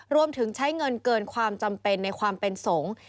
รวมถึงใช้เงินเกินความจำเป็นในความเป็นสงฆ์